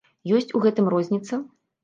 Ёсць у гэтым розніца?